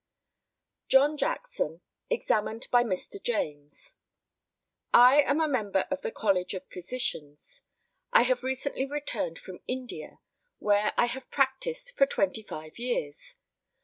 JOHN JACKSON, examined by Mr. JAMES: I am a member of the College of Physicians. I have recently returned from India, where I have practised for twenty five years.